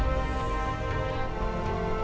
tidak tahu pak kiai